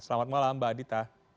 selamat malam mbak adhita